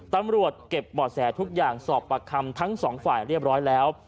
ตำรวจเก็บบ่อแสทุกอย่างสอบปากคำทั้งสองฝ่ายเรียบร้อยแล้ว